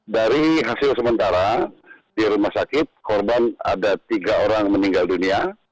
dari hasil sementara di rumah sakit korban ada tiga orang meninggal dunia